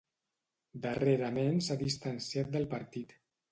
Darrerament s'ha distanciat del partit.